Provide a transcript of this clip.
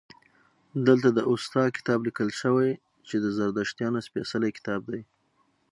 دلته د اوستا کتاب لیکل شوی چې د زردشتیانو سپیڅلی کتاب دی